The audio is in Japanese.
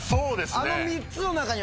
あの。